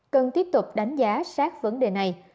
cần tiếp tục đánh giá sát vấn đề này